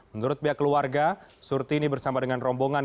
menurut pihak keluarga surtini bersama dengan rombongan